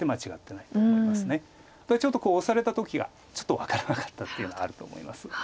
やっぱりちょっとオサれた時がちょっと分からなかったというのはあると思います。